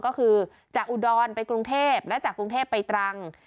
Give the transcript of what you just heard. ก็คือจอุดรณฑานีไปกรุงเทพฯและจกรุงเทพฯไปตรัง